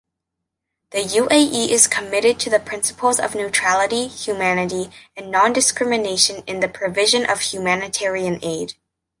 The UAE is committed to the principles of neutrality, humanity and non-discrimination in the provision of humanitarian aid.